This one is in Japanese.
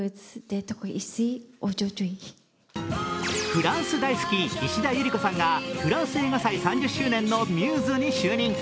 フランス大好き石田ゆり子さんがフランス映画祭３０周年のミューズに就任。